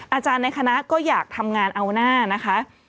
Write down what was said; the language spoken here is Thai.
อาจารย์ในคณะก็อยากทำงานเอาหน้านะคะ